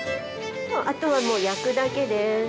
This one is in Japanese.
あとはもう焼くだけです。